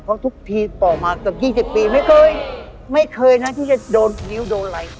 เพราะทุกทีปลอกมากว่ายี่สิบปีไม่เคยไม่เคยนะที่จะโดนนิ้วโดนอะไร